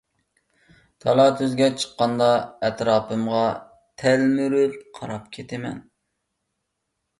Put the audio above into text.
تالا-تۈزگە چىققاندا ئەتراپىمغا تەلمۈرۈپ قاراپ كىتىمەن.